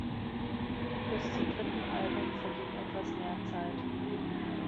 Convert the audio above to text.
Bis zum dritten Album verging etwas mehr Zeit.